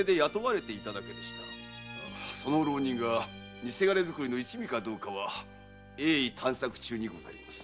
その浪人が偽金作りの一味かは鋭意探索中にございます。